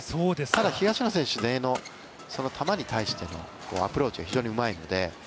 ただ東野選手、前衛の球に対してのアプローチが、非常にうまいので。